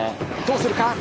どうするか？